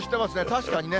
確かにね。